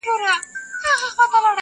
دوو لا نورو ګرېوانونه وه څیرلي -